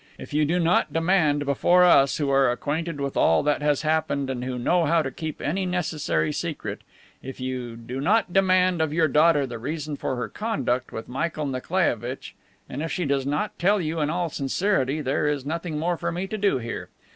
If you do not demand before us, who are acquainted with all that has happened and who know how to keep any necessary secret, if you do not demand of your daughter the reason for her conduct with Michael Nikolaievitch, and if she does not tell you in all sincerity, there is nothing more for me to do here.